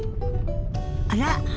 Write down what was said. あら？